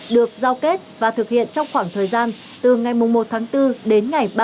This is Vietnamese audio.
được giao kết và thực hiện trong khoảng thời gian từ ngày một bốn đến ngày ba mươi sáu hai nghìn hai mươi hai